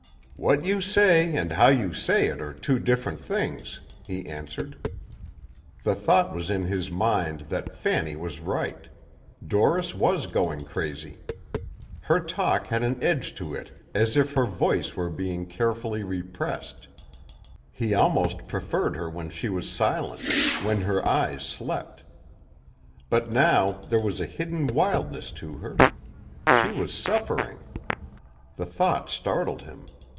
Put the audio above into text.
"What you say and how you say it are two different things," he answered. The thought was in his mind that Fanny was right. Doris was going crazy. Her talk had an edge to it as if her voice were being carefully repressed. He almost preferred her when she was silent, when her eyes slept. Because now there was a hidden wildness to her. She was suffering! The thought startled him.